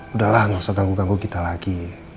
udahlah nggak usah ganggu ganggu kita lagi